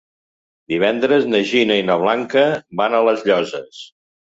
Divendres na Gina i na Blanca van a les Llosses.